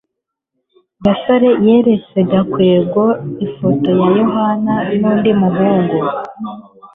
gasore yeretse gakwego ifoto ya yohana nundi muhungu